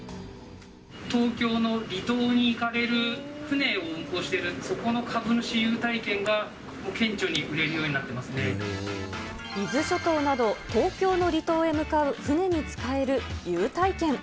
東京の離島に行かれる船を運航しているそこの株主優待券がもう顕著に売れるようになっていま伊豆諸島など、東京の離島へ向かう船に使える優待券。